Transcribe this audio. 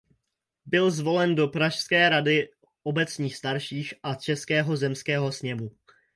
Byl zvolen do pražské rady obecních starších a českého zemského sněmu.